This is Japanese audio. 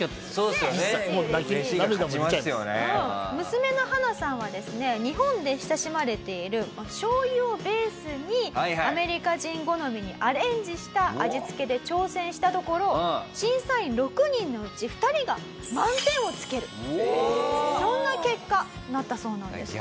娘のハナさんはですね日本で親しまれている醤油をベースにアメリカ人好みにアレンジした味付けで挑戦したところ審査員６人のうち２人が満点をつけるそんな結果になったそうなんです。